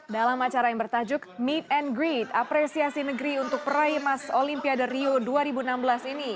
dalam acara yang bertajuk meet and great apresiasi negeri untuk peraih emas olimpiade rio dua ribu enam belas ini